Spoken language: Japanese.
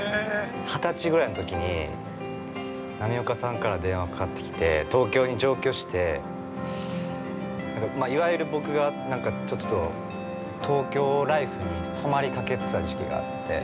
◆二十ぐらいのときに波岡さんから電話かかってきて東京に上京していわゆる僕がちょっと東京ライフに染まりかけてた時期があって。